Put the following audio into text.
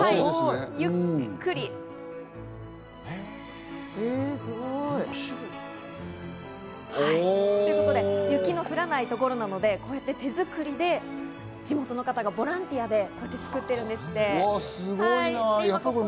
ゆっくり。ということで雪の降らないところなので、こうやって手づくりで地元の方がボランティアで作っているんですって。